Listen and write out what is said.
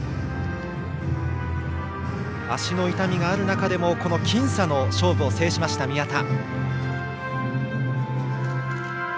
足の痛みがある中でも僅差の試合を制しました宮田。